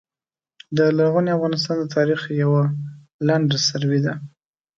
د لرغوني افغانستان د تاریخ یوع لنډه سروې ده